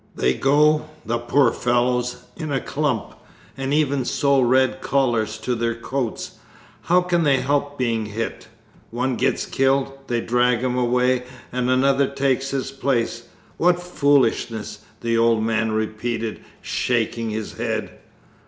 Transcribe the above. They go, the poor fellows, all in a clump, and even sew red collars to their coats! How can they help being hit! One gets killed, they drag him away and another takes his place! What foolishness!' the old man repeated, shaking his head.